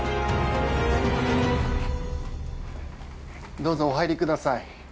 ・どうぞお入りください。